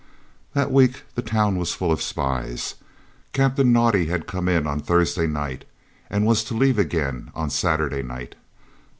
That week the town was full of spies. Captain Naudé had come in on Thursday night and was to leave again on Saturday night.